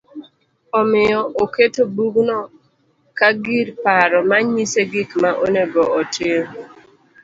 Omiyo oketo bugno ka gir paro ma nyise gik ma onego otim